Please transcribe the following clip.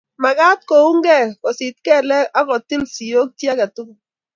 mekat koungei, kosit kelek, aku til sioik chi age tugul